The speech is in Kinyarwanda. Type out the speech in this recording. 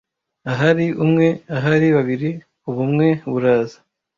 ahari umwe ahari babiri ubumwe buraza